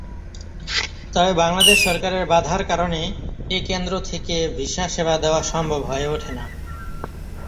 তবে বাংলাদেশ সরকারের বাধার কারণে এ কেন্দ্র থেকে ভিসা সেবা দেওয়া সম্ভব হয়ে ওঠে না।